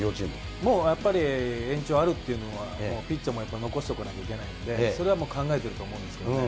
もうやっぱり、延長あるっていうのはピッチャーもやっぱり残しておかないといけないので、それはもう考えてると思うんですけどね。